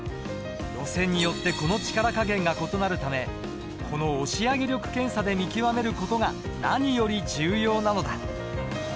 路線によってこの力加減が異なるためこの押上力検査で見極める事が何より重要なのだ。